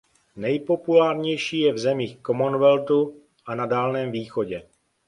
Nejpopulárnější je v zemích Commonwealthu a na Dálném východě.